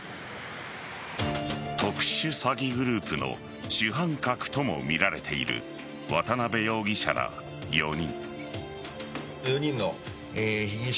特殊詐欺グループの主犯格ともみられている渡辺容疑者ら４人。